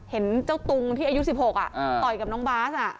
เห็นเจ้าตุงที่อายุ๑๖ต่อยกับน้องบาส